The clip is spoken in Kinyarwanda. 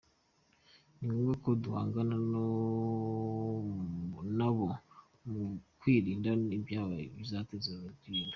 Ni ngomba ko duhangana na bo mu kwirinda ko ibyabaye bitazongera ukundi.”